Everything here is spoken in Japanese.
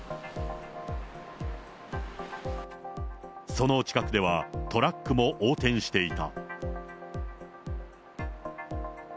その近くでは、トラックも横転していた。